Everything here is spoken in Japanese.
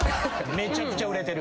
めちゃくちゃ売れてる。